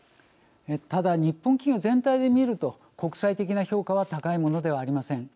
ただ日本企業全体で見ると国際的な評価は高いものではありません。